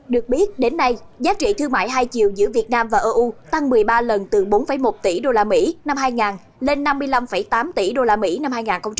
được biết đến nay giá trị thương mại hai chiều giữa việt nam và eu tăng một mươi ba lần từ bốn một tỷ usd năm hai nghìn lên năm mươi năm tám tỷ usd năm hai nghìn một mươi tám